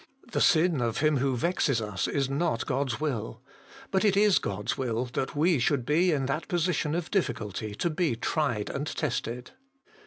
The sin of him who vexes us is not God's will. But it is God's will that we should be in that position of difficulty to be tried and tested.